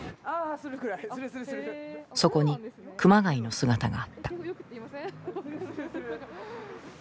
そこに熊谷の姿があった。